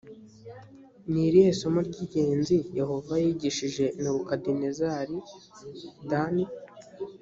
ni irihe somo ry ingenzi yehova yigishije nebukadinezari dan